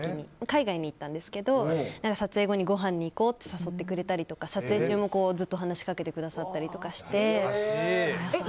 海外に行ったんですけど撮影後に、ごはんに行こうって誘ってくれたりとか撮影中もずっと話しかけてくださったりして。